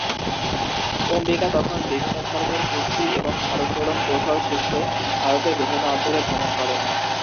অম্বিকা তখন বিভিন্ন ধরনের কুস্তি এবং ভারোত্তোলন কৌশল শিখতে ভারতের বিভিন্ন অঞ্চলে ভ্রমণ করেন।